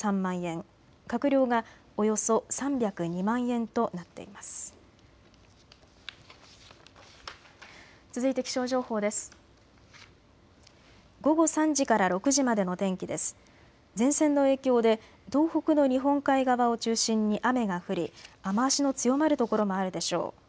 前線の影響で東北の日本海側を中心に雨が降り雨足の強まる所もあるでしょう。